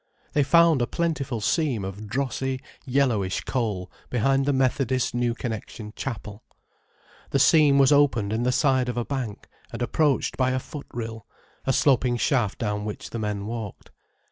They found a plentiful seam of drossy, yellowish coal behind the Methodist New Connection Chapel. The seam was opened in the side of a bank, and approached by a footrill, a sloping shaft down which the men walked.